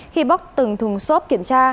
khi bóc từng thùng xốp kiểm tra